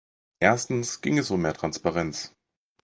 Erstens ging es um mehr Transparenz.